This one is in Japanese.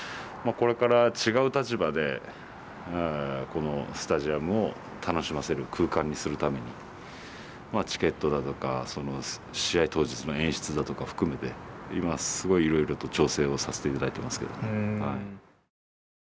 これから違う立場でこのスタジアムを楽しませる空間にするためにまあチケットだとか試合当日の演出だとか含めて今すごいいろいろと調整をさせていただいてますけど。